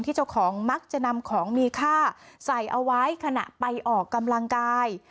เจ้าของมักจะนำของมีค่าใส่เอาไว้ขณะไปออกกำลังกาย